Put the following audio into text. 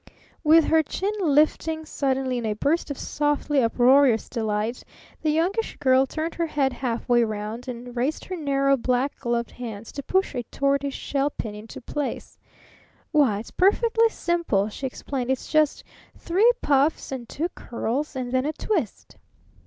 '" With her chin lifting suddenly in a burst of softly uproarious delight, the Youngish Girl turned her head half way around and raised her narrow, black gloved hands to push a tortoise shell pin into place. "Why, it's perfectly simple," she explained. "It's just three puffs, and two curls, and then a twist."